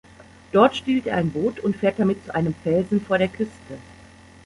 Dort stiehlt er ein Boot und fährt damit zu einem Felsen vor der Küste.